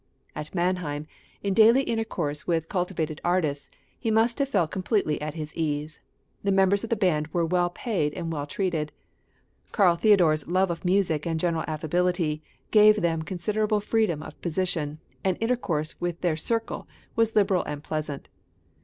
At Mannheim, in daily intercourse with cultivated artists, he {MANNHEIM.} (382) must have felt completely at his ease. The members of the band were well paid and well treated; Karl Theodor's love of music and general affability gave them considerable freedom of position, and intercourse with their circle was liberal and pleasant.